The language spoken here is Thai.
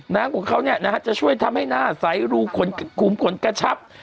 น้ำของเขาจะช่วยทำให้หน้าใสรูขุมขนกระชับ